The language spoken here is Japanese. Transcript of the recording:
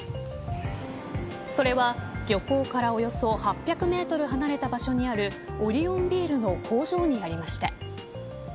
それは、漁港からおよそ８００メートル離れた場所にあるオリオンビールの工場にありました。